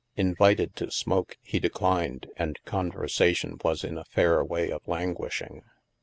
Invited to smoke, he declined, and conversation was in a fair way of languishing.